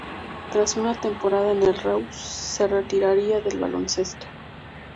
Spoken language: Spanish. Tras una temporada en el Reus, se retiraría del baloncesto.